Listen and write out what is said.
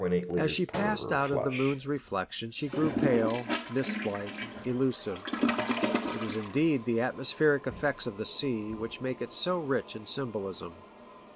As she passed out of the moon's reflec 66 PICTUHES AT SEA. tion she grew pale, mist like, elusive. It is indeed the atmospheric effects of the sea, which make it so rich in symholism.